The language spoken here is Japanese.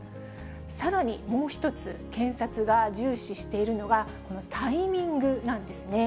さらに、もう一つ、検察が重視しているのがタイミングなんですね。